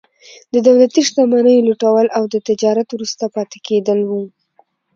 د دولتي شتمنیو لوټول او د تجارت وروسته پاتې کېدل وو.